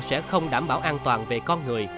sẽ không đảm bảo an toàn về con người